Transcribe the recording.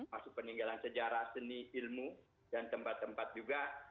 maksud peninggalan sejarah seni ilmu dan lain sebagainya